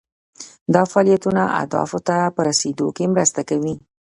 دا فعالیتونه اهدافو ته په رسیدو کې مرسته کوي.